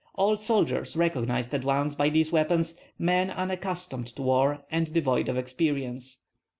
Old soldiers recognized at once by these weapons men unaccustomed to war and devoid of experience.